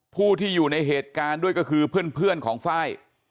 ผู้ที่อยู่ในเหตุการณ์ด้วยก็คือเพื่อนของไฟล์